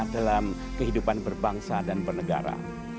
dalam kehidupan berbangsa dan bernegara